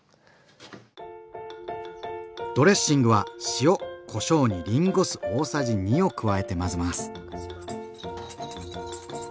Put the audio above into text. ドレッシングは塩・こしょうにりんご酢大さじ２を加えて混ぜます。